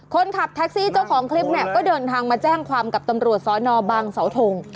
คนขับแท็กซี่เจ้าของคลิปเนี่ยก็เดินทางมาแจ้งความกับตำรวจสนบางเสาทง